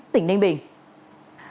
tỉnh ninh bình